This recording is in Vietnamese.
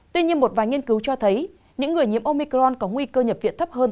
tuy nhiên một vài nghiên cứu cho thấy những người nhiễm omicron có nguy cơ nhập viện thấp hơn